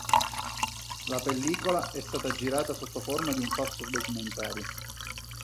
La pellicola è stata girata sotto forma di un falso documentario.